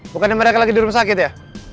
bukannya mereka lagi di rumah sakit ya